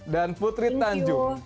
dan putri tanjung